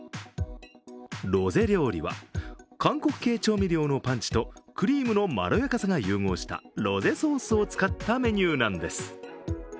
ロゼ料理は韓国系調味料のパンチとクリームのまろやかさが融合したロゼソースを使ったメニューなんです。